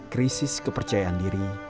krisis kepercayaan diri